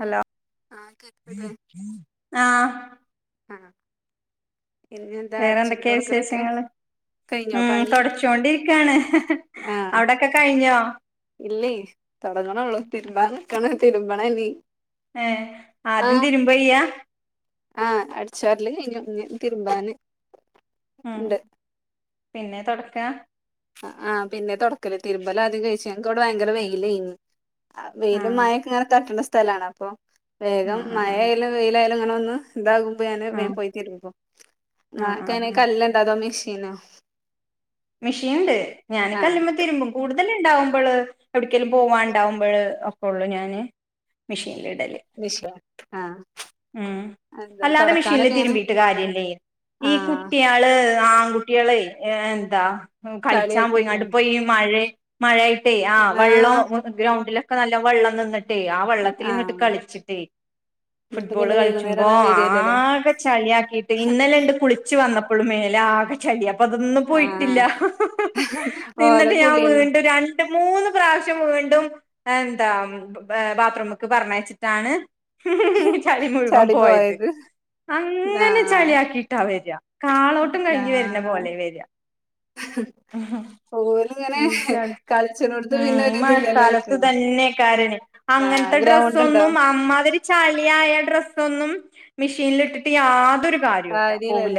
Hello ആഹ് ആ ആ പിന്നെ എന്താ അടിച്ചൂരി വേറെന്തൊക്കെയാ തുടക്കലൊക്കെ വിശേഷങ്ങള് ഉം തുടച്ചൊണ്ടിരിക്കയാണ് അവിടൊക്കെ കഴിഞ്ഞോ ഇല്ല തൊടങ്ങനൊള്ളൂ ത്തിരുമ്പാൻ നിക്കാൻ തിരുമ്പനി ഏ ആദ്യം തിരുമ്പോയ്യാ ആഹ് അടിച്ചു വാരല് കഴിഞ്ഞു. ഇനി തരുമ്പാന് ഉം പിന്നെ തുടക്കാ ആ് പിന്നെ തുടക്കല തിരുമ്പല ആദ്യം കഴിച്ചനക്ക്വിടെ ഭയങ്കര വെയിലു വെയിലും ആഹ് മഴക്ക ഇങ്ങനെ തട്ട്ണ സ്ഥലമാണ് അപ്പൊ വേഗം ആഹ് മഴ ആഹ് ആയാലും വെയിലായാലും അങ്ങനെ ഒന്നന്ന് ഇന്താകുമ്പോ ഞാന് വേഗം പോയി തരുമ്പും ആഹ് ആഹ് എങ്ങനെ ആഹ് കല്ലുണ്ടോ അത മെഷി തിന മെഷീൻണ്ട് ഞാന് കല്ല്മ്മ തിര്മ്പും കൂട് തല്ണ്ടാവ്മ്പള് എവിട്ക്കെലും പോവാണ്ടാവ്മ്പഴ് ഒക്കാെള്ളു ഞാന് മിഷീനിലിടല് വിഷയ ആ ഉം അല്ലാതെ മിഷിൻല് തിര്മ്പീട്ട് കാര്യല്ലേ ഈ ആഹ് കുട്ട്യാള് ആങ്കു ട്ട്യാളെ എന്താ കളിച്ചാൻ ചളിയാക്കിട്ണെ പോയികാണ്ട് ഇപ്പ ഈ മഴ മഴ ആയിട്ടേ ആ ആഹ് വള്ളം ഗ്രൗണ്ടിലൊക്കെ നല്ലോം വള്ളം നിന്ന് ട്ടെ ആ വെള്ളത്ത്ല്ങ്ങട്ട് ആഹ് കളിച്ച്ട്ടേ എന്നിട്ട് ഫുട്ബോള് പിന്നെ കളിച്ചുമ്പോ വൈകുന്നേരാണ് വരല്ലല്ലേ ആകെ ചള്യാക്കിട്ട് ഇന്നലെണ്ട് കുളിച്ച് വന്ന പ്പളും മേലാകെ ചളി അപ്പൊ അതൊന്നും പൊയ് ട്ട്ല്ല ആഹ് പിന്നെപ്പ ഓലെ ഞാ കുളിയന്നെ വീന്റെ രണ്ട് മൂന്ന് പ്രാവശ്യം വീണ്ടും എന്താ ഏ ബാത്രൂമ്ക്ക് പറഞ്ഞയ്ച്ച്ട്ടാണ് ചളി മുഴുവം പോയത് അങ്ങനെ ആഹ് ചള്യാക്കിട്ടാ വര കാളോട്ടും കയ്ഞ്ഞ് വര്ണ പോലെ വര ഉ അഹ ഉം ച കളിച്ചണോടത്ത് ഉം പിന്നെ ഈ ഒരിതില്ലല്ലോ ഓൽക്ക് മഴക്കാലത്ത്തന്നെയ്ക്കാരലെ അങ്ങൻ ആഹ് ഗ്രൗണ്ട് ഉണ്ടോ ഡ്രസ്സാെന്നും അമ്മാതിരി ചളി ആയ ഡ്രസ്സൊന്നും മിഷീൻല്ട്ട്ട്ട് യാ കാര്യല്ലല്ല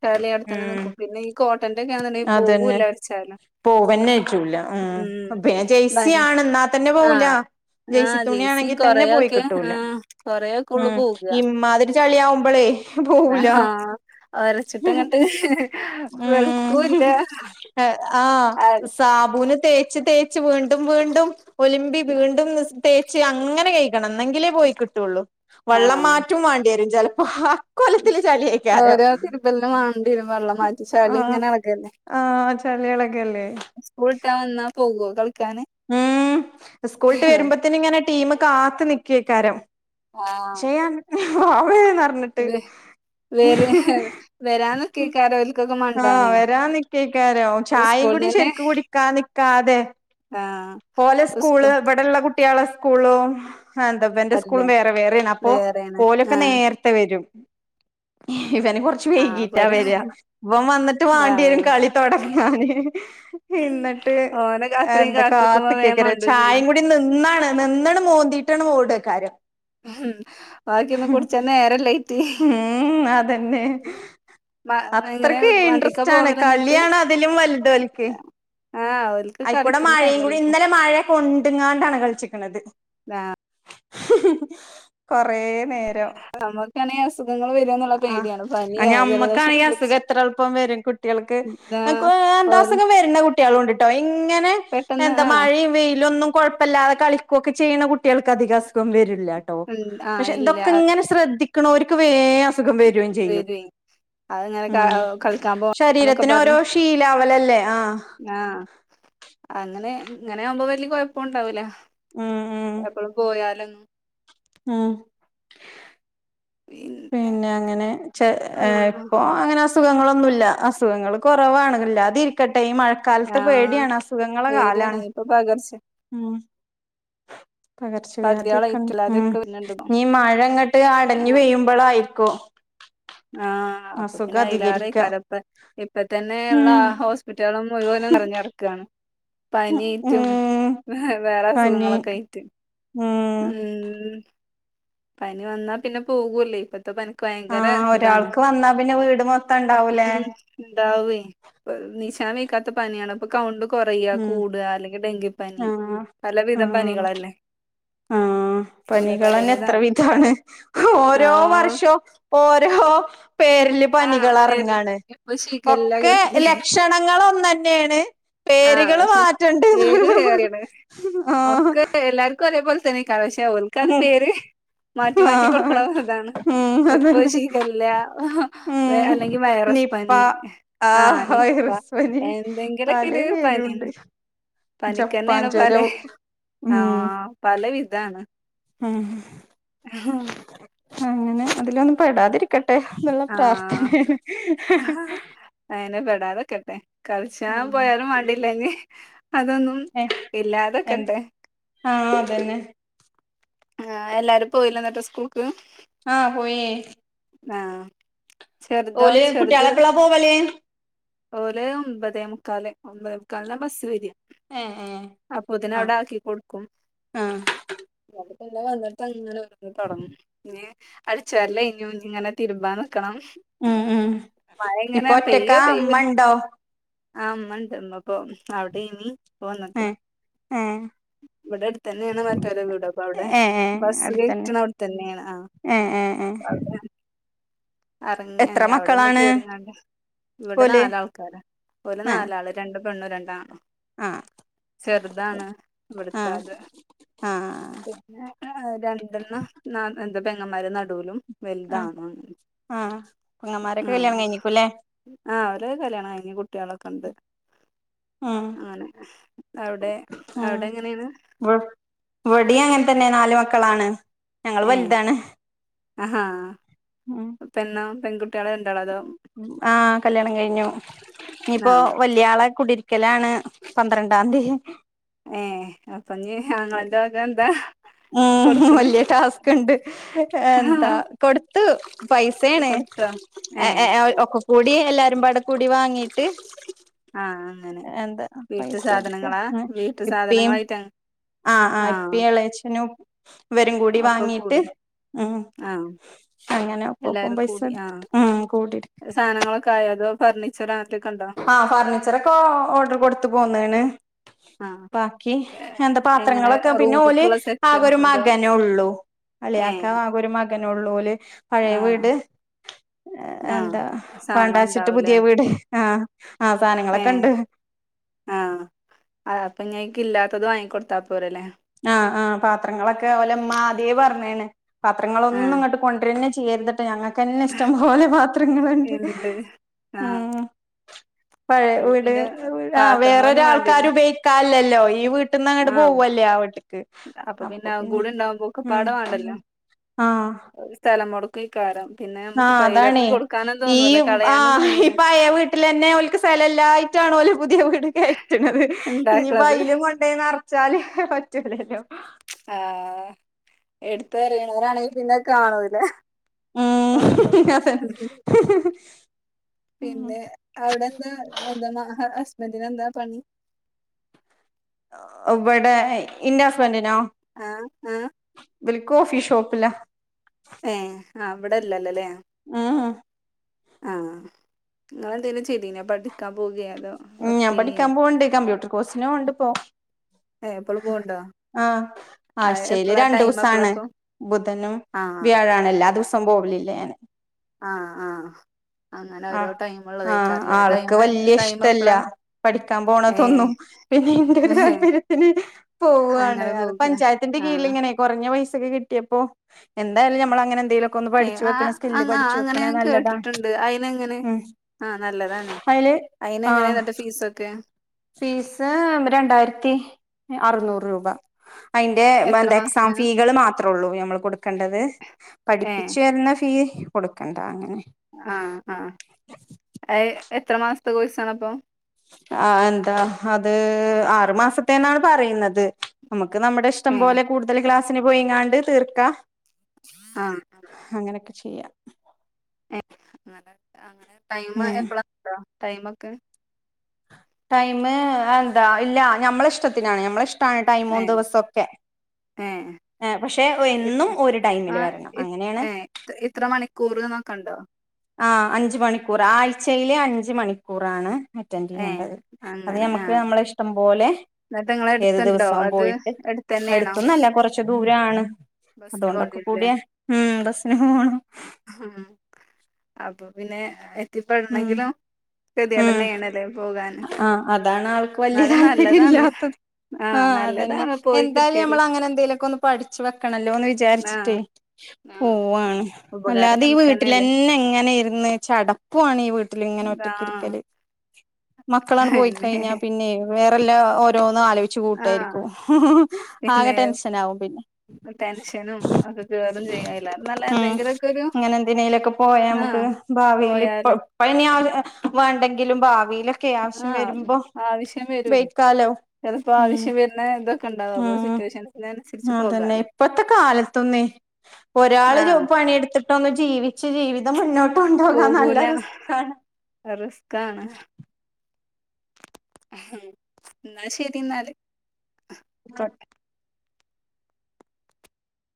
ചളി ഉം അവ്ട്ത്തന്നെന്ക്കും പിന്നെ ഈ കോട്ടന്റെക്കാണ്ന്ന്ണ്ടെ പോവൂല്ല ഒര്ച്ചാലും പോവന്നെജ്ജൂല ഉം പിന്നെ ജെയ്സി ബനി ആണ് ന്നാ തന്നെ പോവുലാ ആഹ് ജെയ്സി ആഹ് തുണി ജേഴ്സിയും ആണെങ്കിതന്നെ പോയി കൊറയൊക്കെ കിട്ടൂല ആഹ് കൊറയൊക്കെ ഉള്ളു ഉം പോക ഇമ്മാതിരി ചളി ആവുമ്പളേ പോവൂല ആഹ് ഹു ഹും ഒരച്ചിട്ടങ്ങട്ട് ഉം എ ആ വെളുക്കൂല്ല സാബൂന് തേച്ച് തേച്ച് വീണ്ടും വീണ്ടും ഒല്മ്പി വീണ്ടും നിസ് തേച്ച് അങ്ങനെ കയ്കണം ന്നെങ്കിലേ പോയി കിട്ടാേള്ളു വള്ളം ആഹ് മാറ്റും മാണ്ട്യേരും ചെൽപ്പ ഹാ ഓരോ തിര്മ്പൽനും വാണ്ട്യരും വള്ളം മാറ്റ ചളിങ്ങനെളകല്ലെ ആ ചളി എളകെല്ലേ പോവ്വ്വാേ ത ഉം സ്കൂൾട്ട് വരുമ്പത്ത്ന്ങ്ങനെ ടീമ് കാത്ത് നിക്കെയ്ക്കാരം ആഹ് ചെയ്യാൻ അവ [unintelligible] പർഞ്ഞ്ട്ട് വെ വെര് വെരാൻ നിക്കേക്കാരം ഓൽക്കൊക്കെ ആ മണ്ടാനേ വരാൻ നിക്കെയ്ക്കാരം ഓല് ചായിം കൂടി സ്കൂൾന്നന്നെ ശരിക്ക് കുടിക്കാ നിക്കാതെ ആഹ് ഓലെ ഓല് സ്കൂള് സ്കൂ ഇബടെള്ള കുട്ട്യാളെ സ്കൂളും ആ എന്ത ബന്റെ അല്ല സ്കൂളും വേറെ വേറേണ് അപ്പൊ വേറേണ് ഓലൊക്കെ ആഹ് നേർത്തെ വെരും ഇവന് കൊർച്ച് ആഹ് വരും വൈകീറ്റാവര വം വന്ന്ട്ട് വാണ്ട്യെരും ആഹ് കളി തൊടങ്ങാന് ഇന്നട്ട് ഓനെ അത്രയും എന്ത കാത്ത്ക്കുമ്പോ വേം കാത്ത്ക്കേയ്ക്കര മണ്ടും ചായിം ചെയ്യും കൂടി നിന്നാണ് നിന്നട് മോന്തിട്ടാണ് ഓടെക്കാരം ഹും ബാക്കിയൊന്നും കുട്ച്ചാൻ നേരല്ലേ ഊം അതെന്നെ മ എങ്ങനെ അത്രക്ക് വണ്ടിക്കാ ഇൻട്രസ്റ്റ് ആണ് പോവല് ന്നട്ട് കളിയാണ് അതിലും വല്തോൽക്ക് ആഹ് ഓൽക്ക് അയ്ക്കൂടെ കളിക്ക്ണ മഴയും ടൈമല്ലേ കൂടി ഇപ്പൊ ഇന്നലെ മഴ കൊണ്ട്ങ്ങാണ്ടാണ് കൾച്ച്ക്ക്ണത് ആ കൊറേ നമ്ക്കാണെ അസ് ആ ഞമ്മക്കാണെ ജലദോഷൊക്കെ അസുഖം പിടിച്ച് എത്ര എൾപ്പം വരും കുട്ടികൾക്ക് എന്താ [unintelligible] ഓ എന്താ അസുഖം വര്ണ കുട്ട്യാളുണ്ട് ട്ടോ ഇങ്ങനെ പെട്ടെന്ന് എന്താ ആ മഴിം വെയ്ലൊന്നും കൊഴപ്പല്ലാതെ കളിക്കൊക്കെ ചെയ്യ്ന്ന കുട്ട്യൾക്ക് അധിക അസ്ഖം വരും ല്ലാട്ടോ ഉം, ആ പക്ഷെ ഇല്ല തൊക്കെങ്ങനെ ശ്രദ്ധിക്ക്ണോര്ക്ക് വേം അസുഖം വരോം ചെയ്യും വരുവേ അതങ്ങനെ ഉം ക- കളിക്കാൻ പോ എന്നൊക്കെ ശരീരത്തിന് ഓരോ പറഞ്ഞ് ശീലാവലല്ലേ ആഹ് ആ അങ്ങനെ ഇങ്ങനെ ആവുമ്പോ വല്ല്യ കൊഴപ്പൂണ്ടാവൂല ഉം ഉം എപ്പളും പോയാലൊന്നും ഉം [unintelligible] പിന്നെ അങ്ങനെ ചെ ആ ഏ ഇപ്പോ അങ്ങനെ അസു അസുഖങ്ങളൊന്നും ഇല്ല അസുഖങ്ങൾ കുറവാണ് ഇല്ലാതിരിക്കെ ട്ടെ ഈ ആ മഴക്കാലത്ത് പേടിയാണ് അസുഖങ്ങളെ പേടിയാണ് കാലാണ് ഇപ്പൊ പകർച്ച ഉം പകർച്ചവ്യാധിയൊക്കെ ഉണ്ട് ഉം പകുതിയാളായിട്ടില്ലാതെയൊക്കെ വരുന്നുണ്ട് ഇപ്പൊ ഇഞ്ഞ് ഈ മഴങ്ങട്ട് അടഞ്ഞ് പെയ്യുമ്പളായിരിക്കും ആഹ് അപ്പൊ പിന്നെ അയിലേറെയ്ക്കാരം ഇപ്പ ഉം ഇപ്പതന്നെള്ള ഹോസ്പിറ്റലള് മുഴുവൻ നിറഞ്ഞടക്കാണ് ഉം പനിയേറ്റും വേറെ പനി അസുഖങ്ങളൊക്കെ ആയിറ്റ് ഉം ഉം പനി വന്നാ പിന്നെ പോകൂല്ലേ ഇപ്പത്തെ പനിക്ക് ആ ഭയങ്കര ഇതാണ് ഒരാൾക്ക് വന്നാ പിന്നെ വീട് മൊത്തം ഉണ്ടാവൂലേ ഉം ഇണ്ടാവുഏ ഇപ്പ നീച്ചാൻവയിക്കാത പനിയാണ് അപ്പൊ കൗണ്ടും കൊറയാ ഉം കൂടാ അല്ലെങ്കിൽ ഡെങ്കിപ്പനി ആഹ് പലവിധം ആഹ് പനികളല്ലേ ആഹ് പല പനികളെന്നെ എത്ര പലവിധാണ് [unintelligible] ഓരോ ആഹ് വർഷവും ഓരോ പേരില് ആഹ് പനികൾ പേരില് എറങ്ങാണ് ഇപ്പൊ ശിഖല്ല ഒക്കെ കേട്ടില്ലേ ലക്ഷണങ്ങൾ ഒന്നെ ന്നെയാണ് ആഹ് പേരുകള് പക്ഷെ മാറ്റണ്ട് പേര് ന്നൊള്ളു വേറേണ് ആഹ് [unintelligible] പക്ഷേ ഓൽകത് ഉം പേര് മാറ്റി മാറ്റി ആഹ് കൊടുക്ക്ണ ഒര്താണ് ഉം ഇപ്പൊ അതന്നെ ശിഖല്ല ഉം അല്ലെങ്കിൽ വയറ സ് നിപ്പ പനി ആഹ് വൈറസ് പനി പല പേരുണ്ട് ജപ്പാൻ പനിക്കെന്നെയാണ് പലെ ജ്വരം ആ ഉം പല വിധാണ് ഉം അങ്ങനെ അതിലൊന്നും പെടാതിരിക്കട്ടെ ന്ള്ള ആഹ് പ്രാർത്ഥനയാണ് ഇണ്ടാകാതക്കട്ടെ കളിച്ചാൻ ഉം പോയാലും മാണ്ടില്ല ഞ്ഞ് അതൊന്നും ഏഹ് എന്ത് ഇല്ലാതെക്കട്ടെ ആഹ് അതന്നെ ആഹ് എല്ലാരും പോയില്ലെ ന്നട്ട് സ്കൂൾക് ആ പോയേ ആഹ് ചെറുതോ ഓല് ചെറുത് കുട്ടികളെപ്പളാ പോവല് ഓല് ഒമ്പതേ മുക്കാല് ഒമ്പതേ മുക്കാലിനാ ബസ്സ് വര്അ ഏഹ് ഏഹ് അപ്പോതിന് ആഹ് അവിടെ ആക്കി കൊടുക്കും ആഹ് പിന്നെ വന്ന്ട്ടങ്ങനെ [unintelligible] തൊടങ്ങും ഞ്ഞ് അടിച്ചു വാരൽചകഴിഞ്ഞു ഈഞ്ഞ്ങ്ങനെ തിടുമ്പാനി ഉം ഉം ഇപ്പൊ ഒറ്റക്കാ ഇമ്മണ്ടോ ആ ഇമ്മണ്ട് ഇമ്മ ഇപ്പൊ അവിടേനി ഇപ്പം വന്ന്ക്ക്ണ് ആഹ് ഇവിടെ അടുതന്നെയാണ് മറ്റോരെ വീട് അപ്പ ഔടെ ഏഹ് ഏഹ് ബസ് അടുത്തന്നെ കയറ്റ്ണ അവിടെ തന്നെയാണ് ആ ഏഹ് ഏഹ് അപ്പ ഏഹ് അവ്ടേണ് എത്ര അറങ്ങഞ്ഞ് അവിടൊന്ന് മക്കളാണ് കേറിങ്ങാണ്ട് ഇവിടെ ഓല് നാലാൾക്കാര ഓല് ആഹ് നാലാള് രണ്ട് പെണ്ണും രണ്ടാണും ആഹ് ചെറുതാണ് ഇവട്ത്തെ ആഹ് അത് ആഹ് പിന്നെ രണ്ടെണ്ണം [unintelligible] രണ്ട് പെങ്ങമാര് നടൂലും വൽത് ആഹ് ആണും ആണ് ആഹ് പൊങ്ങമാരൊക്കെ കല്യാണം കഴിഞ്ഞേക്കും ല്ലേ ആ അവരൊക്കെ കല്ല്യാണം കയിഞ്ഞു കുട്ടികളൊക്കെണ്ട് ഉം അങ്ങനെ അവിടെ അവിടെ എങ്ങനെയാണ് ഇവിടെയും അങ്ങനെ തന്നെ നാല് മക്കളാണ് ഞങ്ങൾ ഏ വലുതാണ് ആഹാ പിന്നെ പെൺകു ആ കല്യാണം കഴിഞ്ഞു ആ ഇനിയിപ്പോ വല്യയാളെ കുടിര് ക്കലാണ് പന്ത്രണ്ടാംതി ഏ അപ്പ ഇഞ്ഞി ആങ്ങളന്റെ വക എന്താ ആ കൊടുക്കണ് വല്ല്യ ടാസ്ക്ക് ഇണ്ട് എന്താ കൊടുത്തു. പൈസയാണ് കൊടുത്തോ എ ഏ എ ഒക്കെ കൂടി എല്ലാരും പാടെകൂടി വാങ്ങീട്ട് ആ അങ്ങനെ എന്താ വീട്ടു പൈസ എടുക്ക സാധനങ്ങളാ ഉം വീട്ടു ഇപ്പീം സാധനങ്ങളായിട്ടാ ആ ആ ഇപ്പീ എളയച്ചനും ഇവരും കൂടി ഒക്കെ വാങ്ങീട്ട് കൂടി ഉം ആ അങ്ങനെ ഒപ്പപ്പം എല്ലാരും പൈസ കൂടി ആ എടുത്തിട്ട് ഉം കൂടിട്ട് സാധനങ്ങളൊക്കെ ആയതോ ഫർണീച്ചറാ ആ ഫർണിച്ചറൊക്കെ ഓർഡർ കൊടുത്ത് പോന്ന്ണ് ആ ബാക്കി ഏ, എന്താ എങ്ങനെ പാത്രങ്ങളൊക്കെ പിന്നെ ഓല് റൂമ്ക്കുള്ള സെറ്റോ ആകെ ഒരു അതോ മകനേ ഒള്ളു അല്ലെ ഏ [unintelligible] ഒരു മകനെ ഒള്ളൊല് പഴയ ആ വീട് ആഹ് എന്താ സാധനങ്ങൾ വേണ്ടാച്ചിട്ട് ഉണ്ടാവൂലേ പുതിയ വീട് ആ ആ ഏഹ് സാധനങ്ങളൊക്കെണ്ട് അതു വാങ്ങി കൊടുത്താ പോരാ ല്ലേ ആ ആ പാത്രങ്ങളൊക്കെ ഓലെമ്മ ആദ്യേ പറഞ്ണ് പാത്രങ്ങളൊന്നും ആഹ് ഇങ്ങോട്ട് കൊണ്ടരന്നെ ചെ [unintelligible] ഞങ്ങൾക്ക് തന്നെ ഇഷ്ടംപോലെ പാത്രങ്ങളുണ്ട് ഇണ്ട് ആഹ് ഉം. പഴയ അപ്പൊ വീട് പിന്നെ ആ വേറൊരു പാത്രങ്ങളൊന്നും ആൾക്കാാര് വേണ്ടിയല്ലേ ഉപയോഗിക്കാല്ല ഈ വീട്ടീന്നങ്ങട്ട് ആഹ് പോവല്ലേ അവിടെ അപ്പൊ പിന്നെ അതും കൂടെ ഇണ്ടാവുമ്പൊക്കെ ഉം പാടെ വേണ്ടല്ലോ ഒരു സ്ഥല [unintelligible] കാരം ആ അതാണേ ഈ ഉം ആ കളയാനും തോന്നൂല ഇപ്പയ വീട്ടില് തന്നെ ഓൽക്ക് സ്ഥലം ഇല്ലായ്ട്ടാണു ഓല് പുതിയ വീട് കേറ്റണത് ഇണ്ടാക്കണത് ഇനിയിപ്പയിലും കൊണ്ട നറച്ചാല് പറ്റൂലല്ലോ ആ എടുത്ത [unintelligible] പിന്നത് കാണൂല്ല ആ അതെ പിന്നെ അവിടെ എന്താ എന്താന്നാ ഹസ് ബൻറിനെന്താ പണി ഇവിടെ ഇന്റസ്ബന്റിനോ ആഹ് ആഹ് [unintelligible] കോഫി ഷോപ്പ് ഏ ആ ഇവിടെല്ലല്ലോല്ലേ ഉം ആ ഇങ്ങളെന്തേലും ചെയ്തീനൊ പഠിക്കാൻ പോകയാ ഉം ഞാൻ പഠിക്കാൻ പോവുണ്ട് കമ്പ്യൂട്ടർ കോഴ്സിനോണ്ട് ഇപ്പോ ഏഹ് എപ്പളും പോവ്ണ്ടോ ആ ആഹ് ആഴ്ചയില് എപ്പളാ രണ്ടു ടൈം ദിവസാണ് എപ്പളാപ്പൊ ബുധനും ആഹ് വ്യാഴാണ് എല്ലാ ദിവസം പോവലില്ല ഞാന് ആ ആ അങ്ങനെ ഓരോ ആഹ് ടൈമുള്ളതെക്കാറില്ലേ ടൈമ് ടൈമ് ഇല്ല. പഠിക്കാൻ പോണതൊന്നും പിന്നെൻറെ ഒരു താല്പര്യത്തിന് പോവാണ് അങ്ങനെ പോക പഞ്ചായത്തിന്റെ ആഹ് കീഴിൽലിങ്ങനെ കുറഞ്ഞ പൈസക്ക് കിട്ടിയപ്പോ എന്തായാലും നമ്മൾ അങ്ങനെ എന്തെലും ഏയ് ആ അ അങ്ങനെ ഞാൻ നല്ലതാണ് കേട്ടിട്ടുണ്ട് അയിന് എങ്ങനെ ഉം ആ നല്ലതാണ് അയില് അയിന് ആഹ് എങ്ങനാന്നിട്ട് ഫീസൊക്കെ? ഫീസ് രണ്ടായിരത്തി അറുനൂറ് രൂപ അയ്ന്റെ മ എത്ര ന്താ എക്സാം മാസത്തിന് ഫീകള് മാത്രേള്ളൂ നമ്മള് കൊടുക്കേണ്ടത് പഠിപ്പിച്ചു വരുന്ന ഫീ കൊടുക്കണ്ടാ അങ്ങനെ ആ ആ അത് എത്ര മാസത്തെ കോഴസാണപ്പൊ? ആ എന്താ അത് ആറു മാസത്തേന്നാണ് പറയുന്നത് നമ്മക് നമക്ക് നമ്മുടെ ഇഷ്ടം ഏഹ് പോലെ കൂടുതൽ ക്ലാസിന് പോയിങ്ങാണ്ട് തീർക്കാം ആ ചെയ്യാം ഏ അങ്ങനെ അങ്ങനെ ടൈം ഉം എപ്പളാ കിട്ടാ ടൈമൊക്കെ ടൈമ് എന്താ ഇല്ല ഞമ്മള ഇഷ്ടത്തിനാണ് ഞമ്മള ഇഷ്ടണ് ഏ ടൈമും ദിവസംക്കെ ഏ ഏ പക്ഷെ എന്നും ഒരു ടൈമില് വരണം അങ്ങനെയാണ് എത്ര മണിക്കൂർ നൊക്കെണ്ടോ ആ അഞ്ചു മണിക്കൂർ ആഴ്ചയില് അഞ്ച് മണിക്കൂറാണ് അറ്റൻഡ് ഏ ചെയ്യേണ്ടത് അത് അങ്ങനെ ആ ഞമ്മക്ക് നമ്മള ഇഷ്ടം പോലെ എന്നിട്ട് നിങ്ങളെ ഏത് എടുത്തുണ്ടോ ദിവസം വൻ അത് പോയിട്ട് എടുത്തന്നെയാണോ അടുത്തന്നല്ല കുറച്ച് ദൂര ാണ് ബസ്സിന് അതുകൊണ്ടൊക്കെ കൂടിയ ഉം ബസിന് പോണം ഉ അപ്പൊ പിന്നെ ഉം എത്തിപ്പെടണെങ്കിലും ഉം കെടേതിടന്നെയണല്ലേ പോകാന് ആ അതാണ് എന്നാലും നല്ലതാണ് ആ ആഹ അതന്നെ നല്ലതാണ് പോയി എന്തായാലും കിട്ടിയാല് നമ്മൾ അങ്ങനെ എന്തെലൊക്കെ ഒന്ന് പഠിച്ചു വെക്കണല്ലോ എന്ന് ആ വിചാരിച്ചിട്ടേ ആ പോവാണ് ഉപകാരം അല്ലാതെ ഈ ഞമ്മക്കന്നെല്ലേ വീട്ടിൽന്നെ എങ്ങനെ ഇരുന്ന് ചടപ്പുാണ് ഈ വീട്ടിൽ ഇങ്ങനെ ആ ഒറ്റക്ക്ഇരിക്കല് മക്കളാണ് പോയി പിന്നെ കഴിഞ്ഞാ പിന്നെ വേറെല്ലാ ഓരോ ആലോചിച്ചു ആ കൂട്ടായിരിക്കും ആകെ പിന്നെ ടെൻഷനാകും പിന്നെ ടെൻഷനും ഒക്കെ കേറും ചെയ്യും അയിലാറെ നല്ല ഉം എന്തെങ്കിലുമൊക്കെ ഒരു ഇങ്ങനെ എന്തിെനതിനേലൊക്കെ പോയ ആ നമുക്ക് ഭാവിയില് പോയാല് ഇപ്പ ഇനി വേണ്ടെങ്കിലും ഭാവി ഇക്കെ ആവശ്യം ആഹ് വരുമ്പോ ആവശ്യം വരുവേ ഉപയോഗിക്കാലോ ചിലപ്പോ ഉം ആവശ്യം വരുന്ന ഇതൊക്കെ ഉണ്ടാാവും അപ്പൊ ഉം സിറ്റുവേഷൻസി ൻ അതന്നെ ഇപ്പത്തെ കാലത്തൊന്നേ ഒരാള് ആഹ് പണിയെടുത്തിട്ടൊന്ന് ജീവിച്ച് ജീവിതം മുന്നോട്ട് കൊണ്ടുപോകാൻ നല്ല പോകൂല റിസ്ക്കാണ്. റിസ്കാണ് എന്നാൽ ശരി എന്നാല് ക്കോട്ടെ